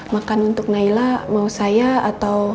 makan untuk naila mau saya atau